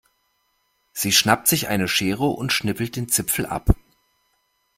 Sie schnappt sich eine Schere und schnippelt den Zipfel ab.